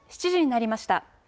７時になりました。